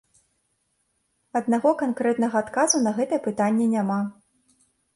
Аднаго канкрэтнага адказу на гэтае пытанне няма.